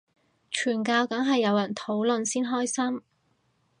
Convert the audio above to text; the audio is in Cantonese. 傳教梗係有人討論先開心